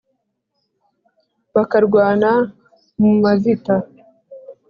Bakarwana mu mavita :